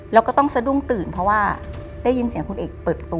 แล้วก็ต้องสะดุ้งตื่นเพราะว่าได้ยินเสียงคุณเอกเปิดตัว